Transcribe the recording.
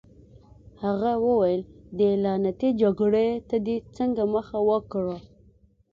هغه وویل: دې لعنتي جګړې ته دې څنګه مخه وکړه؟